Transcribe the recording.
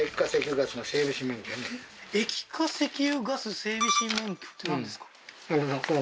液化石油ガス整備士免許ってなんですか？